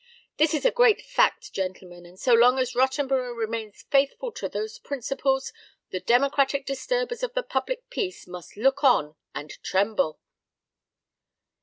This is a great fact, gentlemen; and so long as Rottenborough remains faithful to those principles, the democratic disturbers of the public peace must look on and tremble!"